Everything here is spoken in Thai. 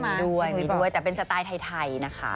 ใช่มั้ยคุณผู้ชมบอกมีด้วยแต่เป็นสไตล์ไทยทัยนะค่ะ